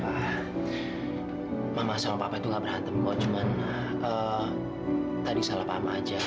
sayang tolong papa mama sama papa itu nggak berantem kok cuma tadi salah paham aja